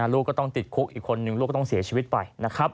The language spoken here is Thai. ลูกก็ต้องติดคุกอีกคนนึงลูกก็ต้องเสียชีวิตไปนะครับ